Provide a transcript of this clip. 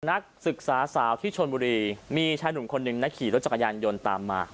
นักศึกษาสาวที่ชนบุรีมีชายหนุ่มคนหนึ่งนะขี่รถจักรยานยนต์ตามมา